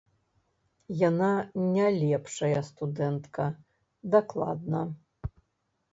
Яна не лепшая студэнтка, дакладна.